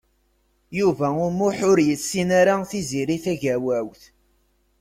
Yuba U Muḥ ur yessin ara Tiziri Tagawawt.